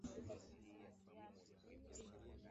Kilimo cha Kigeni